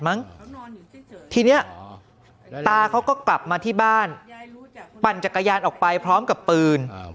มั้งทีเนี้ยตาเขาก็กลับมาที่บ้านปั่นจักรยานออกไปพร้อมกับปืน